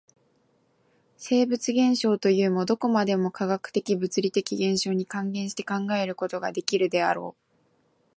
生物現象というも、どこまでも化学的物理的現象に還元して考えることができるであろう。